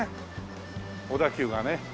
小田急がね